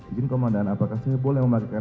izin ke mandan apakah saya boleh memakai